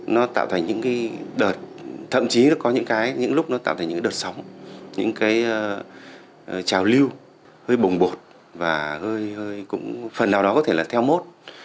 nó tạo thành những cái đợt thậm chí nó có những cái những lúc nó tạo thành những đợt sóng những cái trào lưu hơi bồng bột và hơi hơi cũng phần nào đó có thể là theo mốt